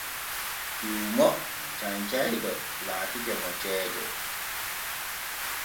Cuumo canyayɗo laatake mo ceede.